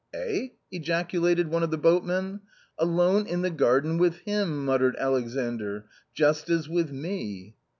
" Eh ?" ejaculated one of the boatmen. " Alone in the garden with him,* muttered Alexandr —" just as with me."